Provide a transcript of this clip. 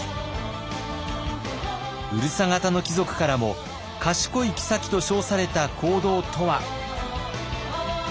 うるさ型の貴族からも賢い后と称された行動とは？